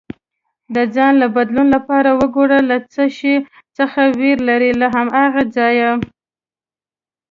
د ځان له بدلون لپاره وګوره له څه شي څخه ویره لرې، له هماغه ځایه